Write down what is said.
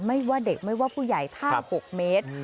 ไม่ว่าเด็กไม่ว่าผู้ใหญ่ถ้า๖เมตร